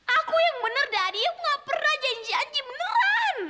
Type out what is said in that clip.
aku yang bener dadi nggak pernah janji janji beneran